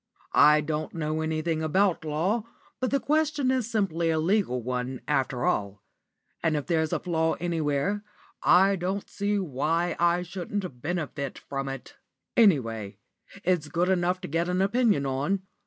I don't know anything about law, but the question is simply a legal one, after all; and if there's a flaw anywhere, I don't see why I shouldn't benefit by it. Any way, it's good enough to get an opinion on.